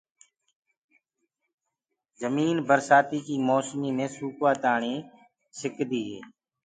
جمين برشآتيٚ موسميٚ مي سوُڪوآ تآڻيٚ سڪدي هي